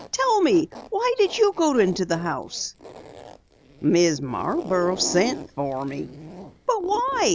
"Tell me, why did you go to the house?" "Mrs. Marborough sent for me." "But why?"